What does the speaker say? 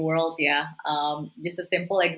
melalui dunia kesehatan yang sangat kompleks